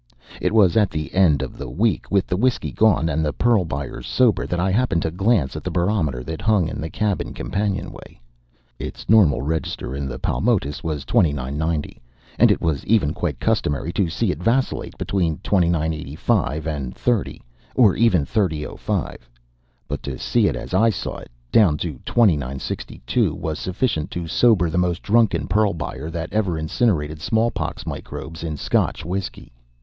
It was at the end of the week, with the whiskey gone, and the pearl buyers sober, that I happened to glance at the barometer that hung in the cabin companionway. Its normal register in the Paumotus was 29.90, and it was quite customary to see it vacillate between 29.85 and 30.00, or even 30.05; but to see it as I saw it, down to 29.62, was sufficient to sober the most drunken pearl buyer that ever incinerated smallpox microbes in Scotch whiskey.